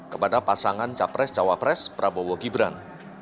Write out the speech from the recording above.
kepada pasangan capres cawapres prabowo gibran